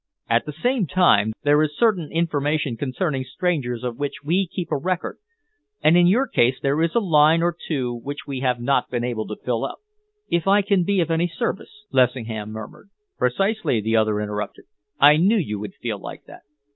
At the same time, there is certain information concerning strangers of which we keep a record, and in your case there is a line or two which we have not been able to fill up." "If I can be of any service," Lessingham murmured. "Precisely," the other interrupted. "I knew you would feel like that.